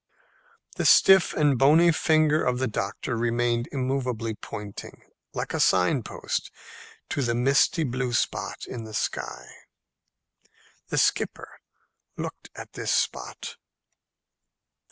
The stiff and bony finger of the doctor remained immovably pointing, like a sign post, to the misty blue spot in the sky. The skipper looked at this spot.